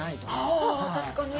あ確かに。